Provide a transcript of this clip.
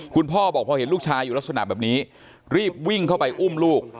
พ่อบอกพอเห็นลูกชายอยู่ลักษณะแบบนี้รีบวิ่งเข้าไปอุ้มลูก